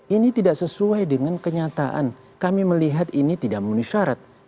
ini tidak sesuai dengan kenyataan kami melihat ini tidak memenuhi syarat